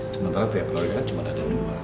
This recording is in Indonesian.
sementara pihak keluarga kan cuma ada di rumah